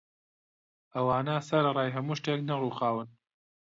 ئەوانە سەرەڕای هەموو شتێک نەڕووخاون